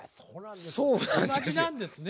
同じなんですね